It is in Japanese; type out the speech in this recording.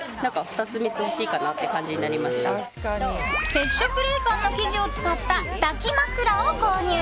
接触冷感の生地を使った抱き枕を購入。